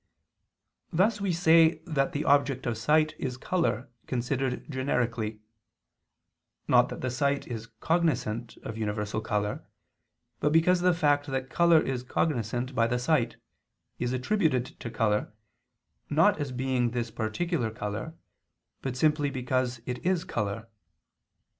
Thus we say that the object of sight is color considered generically; not that the sight is cognizant of universal color, but because the fact that color is cognizant by the sight, is attributed to color, not as being this particular color, but simply because it is color.